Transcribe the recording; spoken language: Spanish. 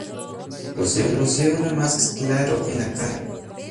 Posee una máscara gris claro en la cara.